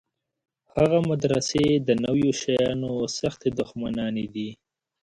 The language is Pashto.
هغه مدرسې د نویو شیانو سختې دښمنانې دي.